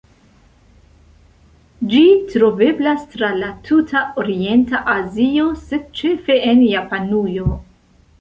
Ĝi troveblas tra la tuta orienta Azio, sed ĉefe en Japanujo.